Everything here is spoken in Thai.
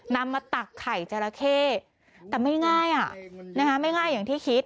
นำมาตักไข่จราเข้แต่ไม่ง่ายไม่ง่ายอย่างที่คิด